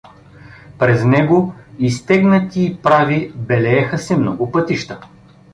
През него, изтегнати и прави, белееха се много пътища.